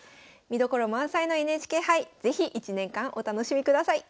見どころ満載のＮＨＫ杯是非１年間お楽しみください。